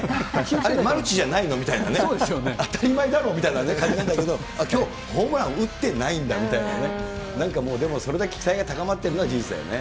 あれ、マルチじゃないのみたいな、当たり前だろみたいな感じなんだけど、きょう、ホームラン打ってないんだみたいなね、なんかもう、でもそれだけ期待が高まってるのは事実だよね。